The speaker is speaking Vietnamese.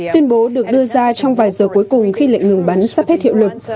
tuyên bố được đưa ra trong vài giờ cuối cùng khi lệnh ngừng bắn sắp hết hiệu lực